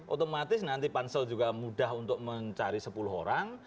otomatis nanti pansel juga mudah untuk mencari sepuluh orang